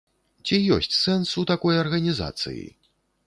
Ці ёсць сэнс ў такой арганізацыі?